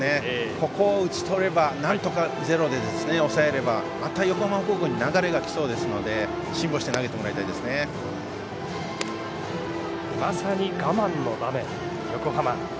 ここを打ち取れば、なんとかゼロで抑えれば、また横浜高校に流れがきそうですのでまさに我慢の場面、横浜。